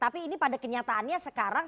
tapi ini pada kenyataannya sekarang